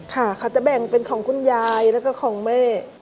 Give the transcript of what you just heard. เขาจะแบ่งเป็นของคุณยายและของเมฆ